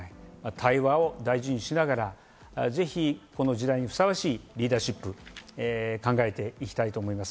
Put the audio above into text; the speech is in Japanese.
対話を大事にしながら、この時代にふさわしいリーダーシップ、考えていきたいと思います。